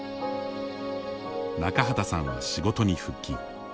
中畠さんは仕事に復帰。